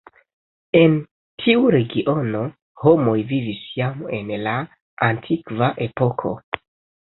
En tiu regiono homoj vivis jam en la antikva epoko.